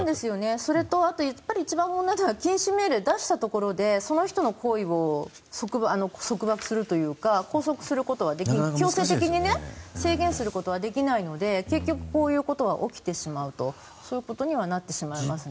それとやっぱり一番問題なのは禁止命令を出したところでその人の行為を束縛するというか拘束することは強制的に制限することはできないので、結局こういうことは起きてしまうとそういうことにはなってしまいますね。